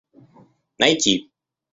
найти